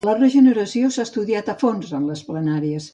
La regeneració s'ha estudiat a fons en les planàries.